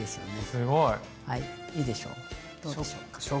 どうでしょうか？